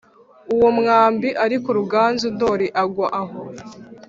uwo mwambi, ariko ruganzu ndori agwa aho.